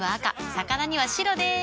魚には白でーす。